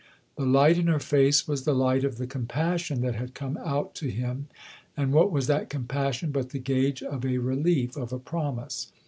The light in her face was the light of the compassion that had come out to him, and what was that compassion but the gage of a relief, of a promise